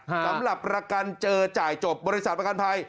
สำหรับประกันเจอจ่ายจบบริษัทประกันภัย